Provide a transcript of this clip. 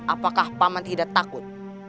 apakah paman tidak takut